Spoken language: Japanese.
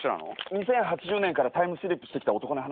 ２０８０年からタイムスリップしてきた男の話。